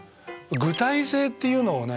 具体性っていうのをね